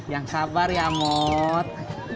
yang sabar ya mot